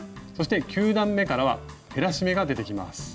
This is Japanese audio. そして９段めからは減らし目が出てきます。